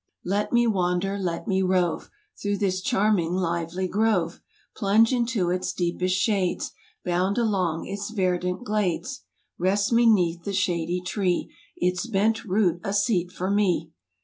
Let me wander, let me rove, Through this charming lively grove; Plunge into its deepest shades, Bound along its verdant glades, Rest me ? neath the shady tree, Its bent root a seat for me.